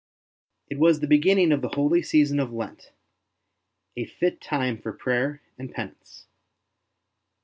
It was the beginning of the holy season of Lent, a fit time for prayer and penance.